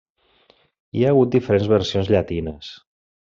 Hi ha hagut diferents versions llatines.